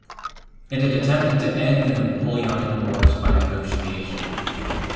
It had attempted to end the Napoleonic Wars by negotiation.